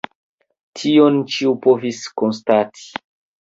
Tion ĉiu povis konstati.